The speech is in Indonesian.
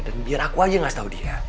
dan biar aku aja ngasih tau dia